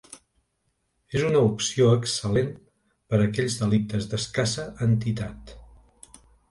És una opció excel·lent per a aquells delictes d'escassa entitat.